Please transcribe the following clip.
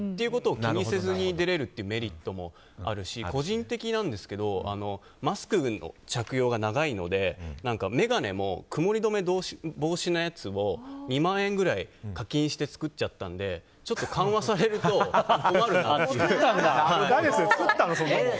気にせずに出れるというメリットもあるし個人的なんですけどマスクの着用が長いので眼鏡も曇り止め防止のやつを２万円くらい課金して作っちゃったので緩和されると作ったの？